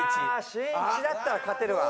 しんいちだったら勝てるわ。